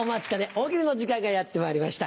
「大喜利」の時間がやってまいりました。